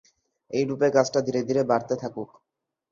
এইরূপে কাজটা ধীরে ধীরে বাড়তে থাকুক।